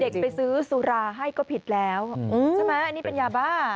ไปซื้อสุราให้ก็ผิดแล้วใช่ไหมอันนี้เป็นยาบ้า